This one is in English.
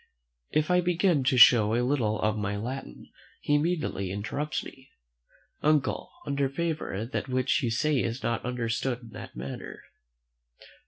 If I begin to show a little of my Latin, he immediately interrupts: "Uncle, under favour, that which you say is not understood in that manner."